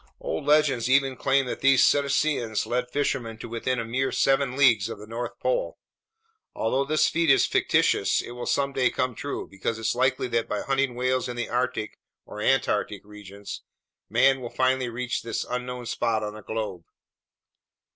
Old legends even claim that these cetaceans led fishermen to within a mere seven leagues of the North Pole. Although this feat is fictitious, it will someday come true, because it's likely that by hunting whales in the Arctic or Antarctic regions, man will finally reach this unknown spot on the globe.